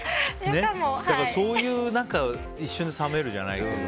そういう一瞬冷めるじゃないけど。